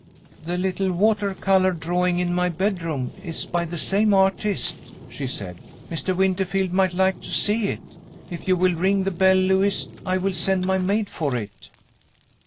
"The little water color drawing in my bedroom is by the same artist," she said. "Mr. Winterfield might like to see it. If you will ring the bell, Lewis, I will send my maid for it."